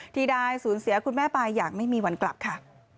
ที่ได้สูญเสียคุณแม่ไปอย่างไม่มีวันกลับค่ะ